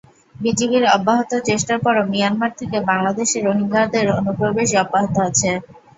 বিজিবির অব্যাহত চেষ্টার পরও মিয়ানমার থেকে বাংলাদেশে রোহিঙ্গাদের অনুপ্রবেশ অব্যাহত আছে।